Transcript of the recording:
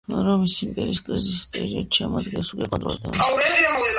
რომის იმპერიის კრიზისის პერიოდში ამ ადგილებს უკვე აკონტროლებდნენ ვესტგუთები.